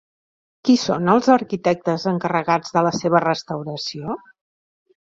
Qui són els arquitectes encarregats de la seva restauració?